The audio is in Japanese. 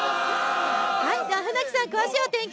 船木さん、詳しいお天気